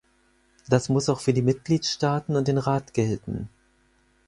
Das muss auch für die Mitgliedstaaten und den Rat gelten.